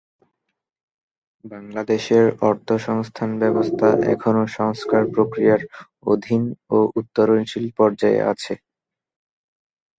বাংলাদেশের অর্থসংস্থান ব্যবস্থা এখনও সংস্কার প্রক্রিয়ার অধীন ও উত্তরণশীল পর্যায়ে আছে।